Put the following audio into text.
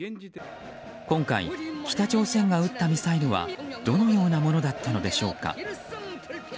今回、北朝鮮が打ったミサイルはどのようなものだったのでしょうか。